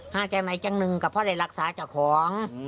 หายใจใหม่จังหนึ่งก็เพราะได้รักษาเจ้าของ